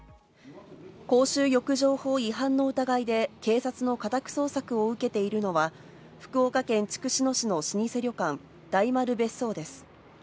公衆浴場法違反の疑いで警察の家宅捜索を受けているのは、福岡県筑紫野市の老舗旅館・大丸別荘です。